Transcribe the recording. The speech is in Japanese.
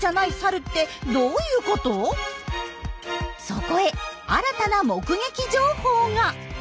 そこへ新たな目撃情報が。